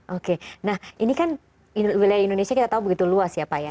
oke nah ini kan wilayah indonesia kita tahu begitu luas ya pak ya